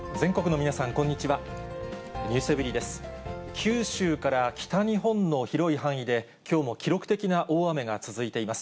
九州から北日本の広い範囲で、きょうも記録的な大雨が続いています。